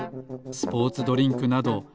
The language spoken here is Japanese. スポーツドリンクなど。